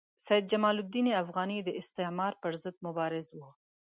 سید جمال الدین افغاني د استعمار پر ضد مبارز وو.